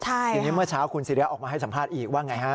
อย่างนี้เมื่อเช้าคุณศิราออกมาให้สำภาษณ์อีกว่าอย่างไรฮะ